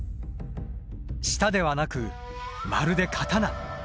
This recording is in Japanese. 舌ではなくまるで刀。